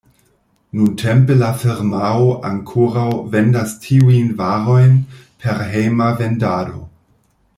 Nuntempe la firmao ankoraŭ vendas tiujn varojn per hejma vendado.